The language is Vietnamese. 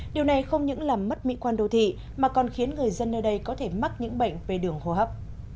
điều này không những làm mất mỹ quan đô thị mà còn khiến người dân nơi đây có thể mắc những bệnh về đường hô hấp